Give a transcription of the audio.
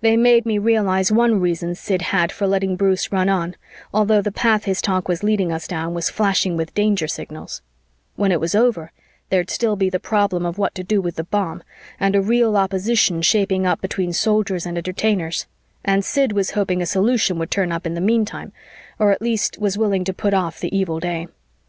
They made me realize one reason Sid had for letting Bruce run on, although the path his talk was leading us down was flashing with danger signals: When it was over, there'd still be the problem of what to do with the bomb, and a real opposition shaping up between Soldiers and Entertainers, and Sid was hoping a solution would turn up in the meantime or at least was willing to put off the evil day.